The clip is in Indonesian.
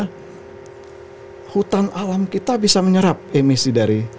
hutan alam kita bisa menyerap emisi dari